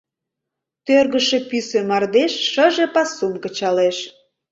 Тӧргышӧ пӱсӧ мардеж Шыже пасум кычалеш.